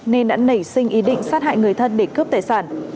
nên đã nảy sinh ý định sát hại người thân để cướp tài sản